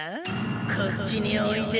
こっちにおいで。